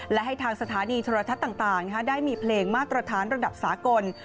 และให้ทางสถานีโทรทัศน์ต่างได้มีเพลงมาตรฐานระดับสากล